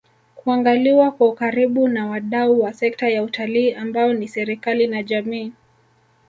kuangaliwa kwa ukaribu na wadau wa sekta ya Utalii ambao ni serikali na jamii